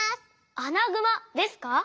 アナグマですか？